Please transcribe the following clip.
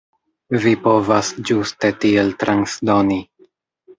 Vi povas ĝuste tiel transdoni.